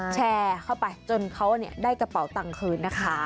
แชร์เข้าไปจนเขาได้กระเป๋าตังคืนนะคะ